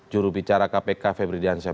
jurubicara kpk febri diansyah